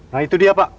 nah itu dia pak